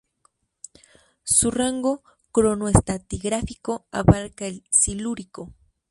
Su rango cronoestratigráfico abarca el Silúrico.